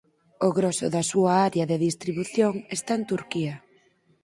O groso da súa área de distribución está en Turquía.